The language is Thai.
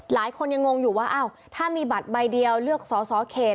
หลายคนยังงงอยู่ว่าอ้าวถ้ามีบัตรใบเดียวเลือกสอสอเขต